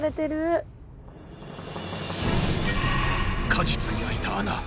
果実にあいた穴。